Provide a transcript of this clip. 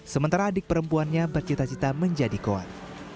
sementara adik perempuannya bercita cita menjadi kuat